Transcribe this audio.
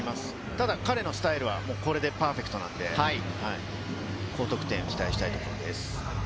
ただ、彼のスタイルはこれでパーフェクトなんで、高得点、期待したいところです。